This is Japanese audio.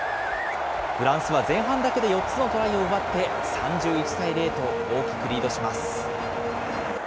フランスは前半だけで４つのトライを奪って、３１対０と大きくリードします。